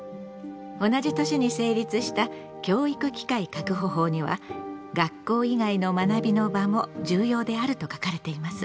同じ年に成立した教育機会確保法には「学校以外の学びの場も重要である」と書かれています。